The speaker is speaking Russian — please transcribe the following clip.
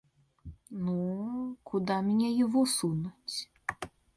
Ну, куда мне его сунуть?